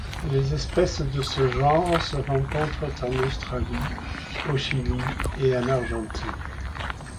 Les espèces de ce genre se rencontrent en Australie, au Chili et en Argentine.